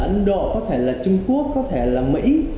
ấn độ có thể là trung quốc có thể là mỹ